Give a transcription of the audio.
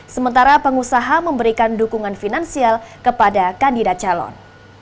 sementara pengusaha memberikan dukungan finansial kepada kandidat calon